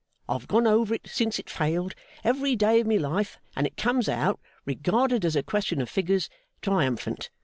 I have gone over it since it failed, every day of my life, and it comes out regarded as a question of figures triumphant.